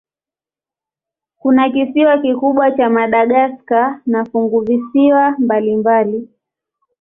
Kuna kisiwa kikubwa cha Madagaska na funguvisiwa mbalimbali.